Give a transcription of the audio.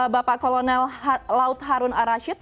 bapak kolonel laut harun arashid